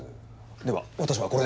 では私はこれで。